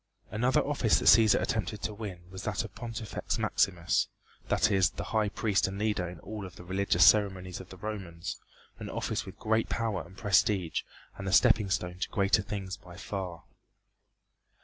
Another office that Cæsar attempted to win was that of Pontifex Maximus that is, the High Priest and leader in all of the religious ceremonies of the Romans, an office with great power and prestige and the stepping stone to greater things by far.